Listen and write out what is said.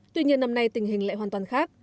tuy nhiên năm nay tình hình lại hoàn toàn khác